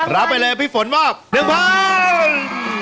รับไปเลยพี่ฝนมอบเนื้องภันฑ์